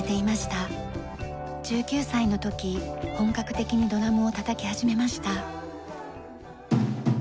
１９歳の時本格的にドラムをたたき始めました。